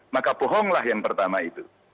maka bohonglah yang pertama itu